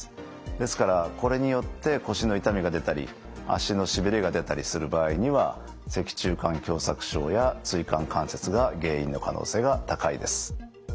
ですからこれによって腰の痛みが出たり脚のしびれが出たりする場合には脊柱管狭窄症や椎間関節が原因の可能性が高いです。